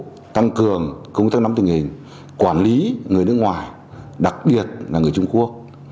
đơn vị kiệp vụ tăng cường công tác nắm tình hình quản lý người nước ngoài đặc biệt là người trung quốc